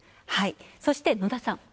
そして、野田さん。